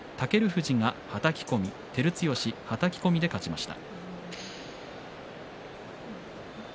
富士がはたき込み照強、はたき込みで勝ちました。